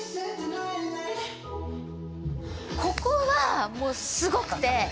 ここはもうすごくて！